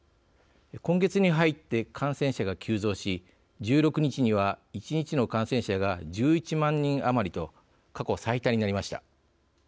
今月に入って感染者が急増し１６日には一日の感染者が１１万人余りと過去最多になりました。